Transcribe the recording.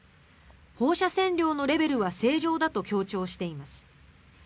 放射線量のレベルは正常だと強調しています。